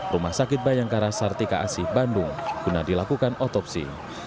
rumah sakit bayangkara sartika asih bandung guna dilakukan otopsi